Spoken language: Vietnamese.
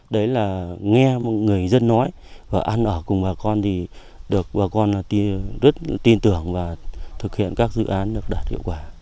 đấy là nghe người dân nói và ăn ở cùng bà con thì được bà con rất tin tưởng và thực hiện các dự án được đạt hiệu quả